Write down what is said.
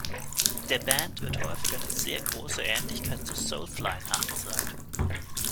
Der Band wird häufig eine sehr große Ähnlichkeit zu Soulfly nachgesagt.